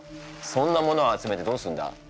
そんなものを集めてどうすんだ？